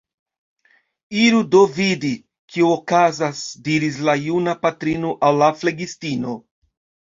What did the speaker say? Iru do vidi, kio okazas, diris la juna patrino al la flegistino.